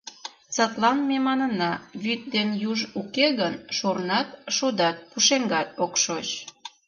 Садлан ме манына: вӱд ден юж уке гын, шурнат, шудат, пушеҥгат ок шоч.